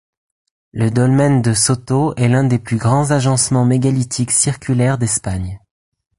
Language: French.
Le dolmen de Soto est l'un des plus grands agencements mégalithiques circulaires d'Espagne.